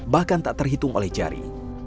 bahkan tak terhitung oleh jari